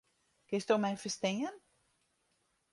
Kinsto my ferstean?